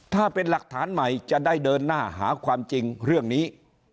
ถ้าเป็นหลักฐานใหม่จะได้เดินหน้าหาความจริงเรื่องนี้